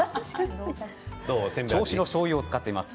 銚子のしょうゆを使っています。